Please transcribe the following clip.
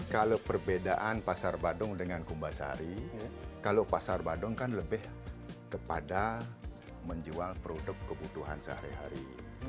kalau perbedaan pasar badung dengan kumbasari kalau pasar badung kan lebih kepada menjual produk kebutuhan sehari hari